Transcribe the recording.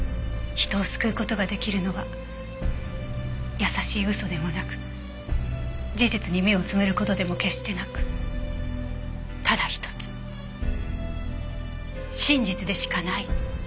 人を救う事が出来るのは優しい嘘でもなく事実に目をつむる事でも決してなくただ一つ真実でしかない。